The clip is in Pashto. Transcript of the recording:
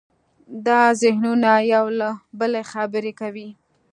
دا ذهنونه یو له بله خبرې کوي.